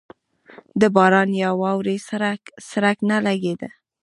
د باران یا واورې څرک نه لګېده.